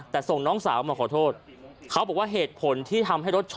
แต่ส่งน้องสาวมาขอโทษเขาบอกว่าเหตุผลที่ทำให้รถชน